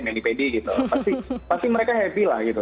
menyepedi gitu pasti mereka happy lah gitu